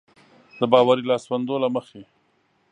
د باوري لاسوندو له مخې.